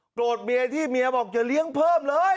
โกรธเมียที่เมียบอกจะเลี้ยงเพิ่มเลย